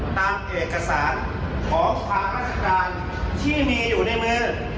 ตามเอกสารขอความราชการที่มีอยู่ในมือ